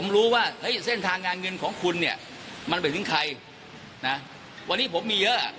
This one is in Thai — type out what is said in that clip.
รู้ว่าเฮ้ยเส้นทางงานเงินของคุณเนี่ยมันไปถึงใครนะวันนี้ผมมีเยอะ